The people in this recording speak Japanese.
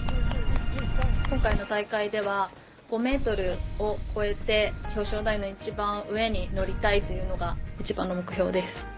今回の大会では５ｍを超えて表彰台の一番上に乗りたいというのが一番の目標です。